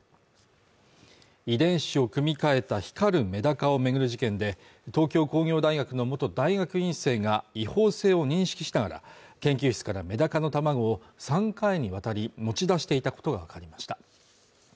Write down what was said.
遺伝子を組み換えた光るメダカを巡る事件で、東京工業大学の元大学院生が違法性を認識しながら、研究室からメダカの卵を３回にわたり持ち出していたことがわかりました。